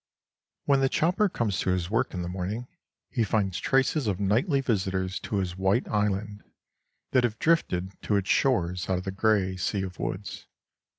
When the chopper comes to his work in the morning, he finds traces of nightly visitors to his white island that have drifted to its shores out of the gray sea of woods.